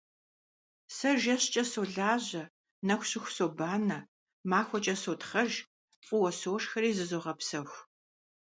Сэ жэщкӀэ солажьэ, нэху щыху собанэ, махуэкӀэ сотхъэж, фӀыуэ сошхэри зызогъэпсэху.